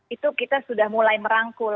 itu kita sudah mulai merangkul